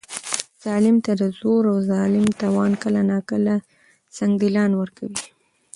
ظالم ته د زور او ظلم توان کله ناکله سنګدلان ورکوي.